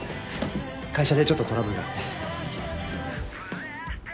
会社でちょっとトラブルがあって。